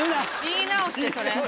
言い直してそれ。